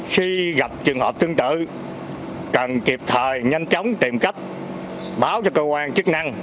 khi gặp trường hợp tương tự cần kịp thời nhanh chóng tìm cách báo cho cơ quan chức năng